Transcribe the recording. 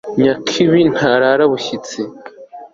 nyakibi ntarara bushyitsi